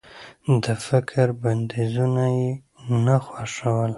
د فکر بنديزونه يې نه خوښول.